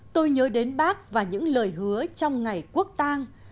tôi nhớ đến bác và những lời hứa trong ngày quốc tang